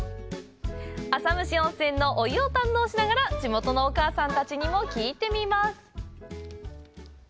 浅虫温泉のお湯を堪能しながら地元のお母さんたちにも聞いてみます。